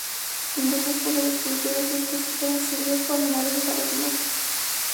Fundó una escuela de escultura y sus cursos fueron seguidos por numerosos alumnos.